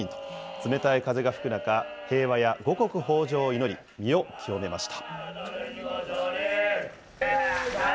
冷たい風が吹く中、平和や五穀豊じょうを祈り、身を清めました。